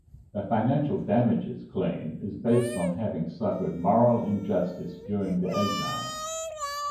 The financial damages claim is based on having suffered moral injustice during the exile.